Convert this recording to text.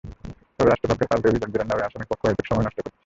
তবে রাষ্ট্রপক্ষের পাল্টা অভিযোগ, জেরার নামে আসামিপক্ষ অহেতুক সময় নষ্ট করছে।